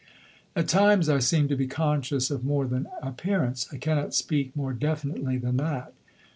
At times I seemed to be conscious of more than appearance. I cannot speak more definitely than that.